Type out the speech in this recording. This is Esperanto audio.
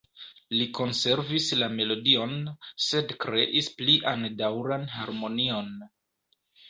Li konservis la melodion, sed kreis plian daŭran harmonion.